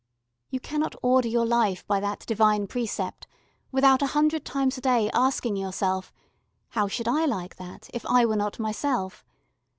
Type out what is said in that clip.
You cannot order your life by that Divine precept without a hundred times a day asking yourself, "How should I like that, if I were not myself?"